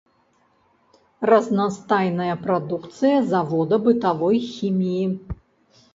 Разнастайная прадукцыя завода бытавой хіміі.